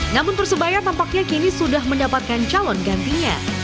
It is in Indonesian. namun persebaya tampaknya kini sudah mendapatkan calon gantinya